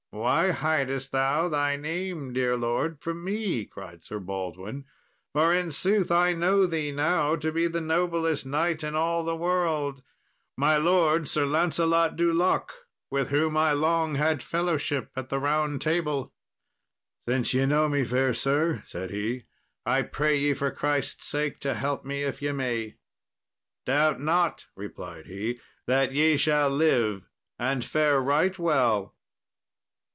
"Why hidest thou thy name, dear lord, from me?" cried Sir Baldwin; "for in sooth I know thee now to be the noblest knight in all the world my lord Sir Lancelot du Lake, with whom I long had fellowship at the Round Table." "Since ye know me, fair sir," said he, "I pray ye, for Christ's sake, to help me if ye may." "Doubt not," replied he, "that ye shall live and fare right well."